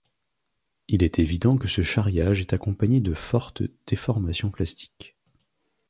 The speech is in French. Il est évident que ce charriage est accompagné de fortes déformations plastiques.